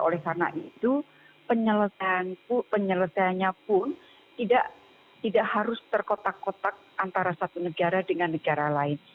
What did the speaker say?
oleh karena itu penyelesaiannya pun tidak harus terkotak kotak antara satu negara dengan negara lain